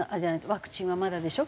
ワクチンはまだでしょ？